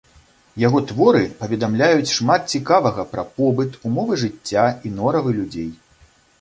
Яго творы паведамляюць шмат цікавага пра побыт, умовы жыцця і норавы людзей.